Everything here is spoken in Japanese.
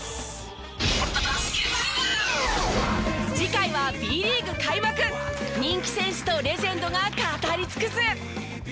次回はＢリーグ開幕人気選手とレジェンドが語り尽くす！